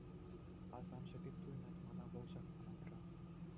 Асамҫӑ пек туйӑнать мана вӑл ҫак самантра.